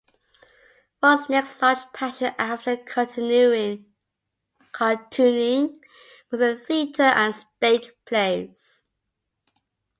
Falk's next large passion after cartooning was the theater and stage plays.